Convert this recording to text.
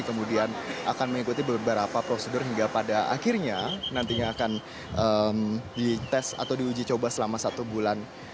kemudian akan mengikuti beberapa prosedur hingga pada akhirnya nantinya akan dites atau diuji coba selama satu bulan